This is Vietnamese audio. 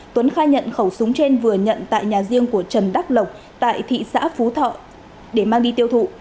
tuấn khai nhận khẩu súng trên vừa nhận tại nhà riêng của trần đắc lộc tại thị xã phú thọ để mang đi tiêu thụ